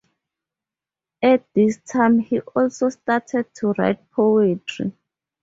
At this time he also started to write poetry.